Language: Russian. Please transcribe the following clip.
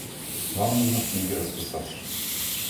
Вам нужно в книге расписаться.